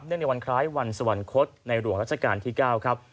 เนื่องในวันคล้ายวันสวรรคตในหลวงรัฐการณ์ที่เก้าครับ